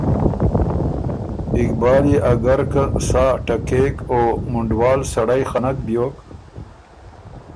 اقبال يې اګر که سا ټکېک او مُنډوال سړئ خه نک بیوک